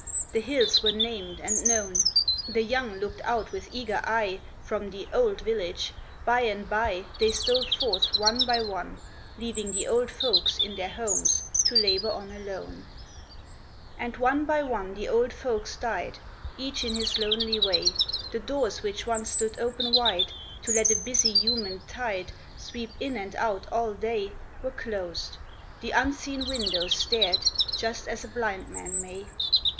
The hills were named and known. The young looked out with eager eye From the " old " village ; by and by They stole forth one by one, Leaving the old folks in their homes To labor on alone. THE OLD VILLAGE. 249 And one by one the old folks died, Each in his lonely way. The doors which once stood open wide, To let a busy human tide Sweep in and out all day, Were closed ; the unseeing windows stared Just as a blind man may.